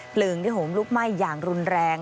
ลิงที่โหมลุกไหม้อย่างรุนแรง